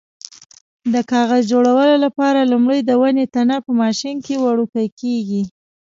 د کاغذ جوړولو لپاره لومړی د ونې تنه په ماشین کې وړوکی کېږي.